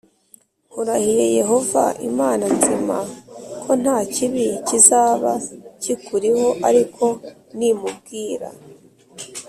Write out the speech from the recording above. Nkurahiye yehova imana nzima ko nta kibi kizaba kikuriho ariko nimubwira